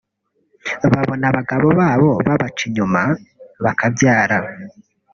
babona abagabo babo babaca inyuma bakabyara